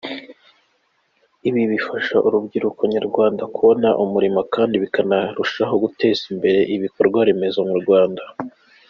Ibi bifasha urubyiruko nyarwanda kubona umurimo kandi bikanarushaho guteza imbere ibikorerwa mu Rwanda.